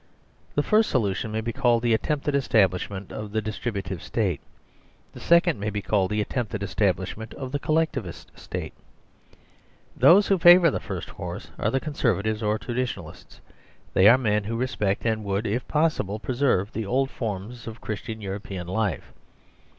The first solution may be called the attempted establishment of the DISTRIBUTIVE STATE. The second may be called the attempted establishment of the COLLECTIVIST STATE. Those who favour the first course are the Conser 105 THE SERVILE STATE vatives or Traditionalists. They are men who respect and would, if possible, preserve the old forms of Chris tian European life.